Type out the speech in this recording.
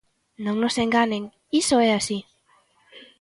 Non nos enganen, iso é así.